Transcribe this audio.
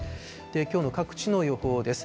きょうの各地の予報です。